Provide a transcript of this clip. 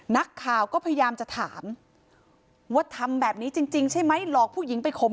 นักข่าก็พยายามจะถามว่าทำแบบนี้จริงใช่ไหม